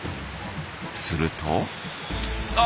するとあ！